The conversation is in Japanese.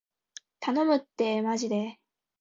頼むってーまじで